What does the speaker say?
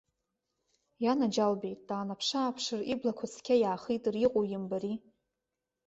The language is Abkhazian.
Ианаџьалбеит, даанаԥшы-ааԥшыр, иблақәа цқьа иаахитыр, иҟоу имбари.